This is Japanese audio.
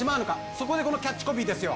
そこでこのキャッチコピーですよ